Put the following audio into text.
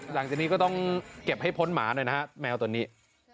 หลังจากนี้ก็ต้องเก็บให้พ้นหมาหน่อยนะฮะแมวตัวนี้